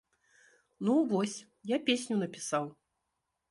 Ну, вось, я песню напісаў.